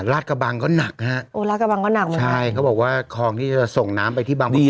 กระบังก็หนักฮะโอ้ราชกระบังก็หนักเลยใช่เขาบอกว่าคลองที่จะส่งน้ำไปที่บางปี